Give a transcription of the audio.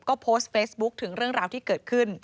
ก็โพสต์เฟซบุ๊คถึงเรื่องราวที่เกิดขึ้น